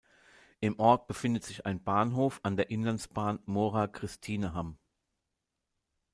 Im Ort befindet sich ein Bahnhof an der Inlandsbahn Mora–Kristinehamn.